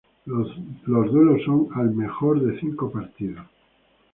Los duelos son al mejor de cinco partidos.